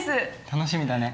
楽しみだね。